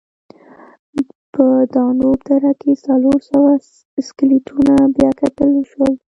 په دانوب دره کې څلور سوه سکلیټونه بیاکتل وشول.